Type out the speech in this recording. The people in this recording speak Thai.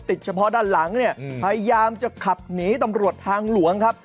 เฉพาะด้านหลังเนี่ยพยายามจะขับหนีตำรวจทางหลวงครับ